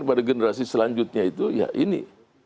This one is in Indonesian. kepada generasi selanjutnya itu ya ini